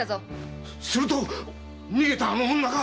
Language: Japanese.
すると逃げたあの女が！